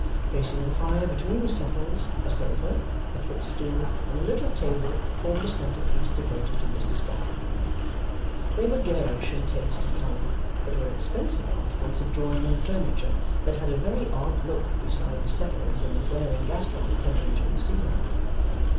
Facing the fire between the settles, a sofa, a footstool, and a little table, formed a centrepiece devoted to Mrs Boffin. They were garish in taste and colour, but were expensive articles of drawing room furniture that had a very odd look beside the settles and the flaring gaslight pendent from the ceiling.